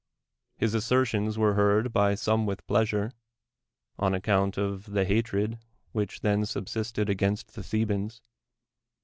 ITis asser tions were heard by some wi h pleasure, on ac count of the hatred which then subsisted against the Thebans.